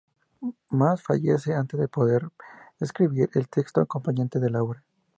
Mas fallece antes de poder escribir el texto acompañante de la obra.